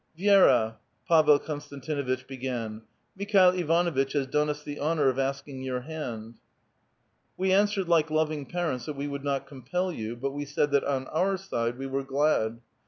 "Vi^ra," — Pavel Konstantinuitch began, — "Mikhail Iva nnitch has done us the honor of asking your hand. We answered like loving parents that we would not compel you, but we said that on our side we were glad.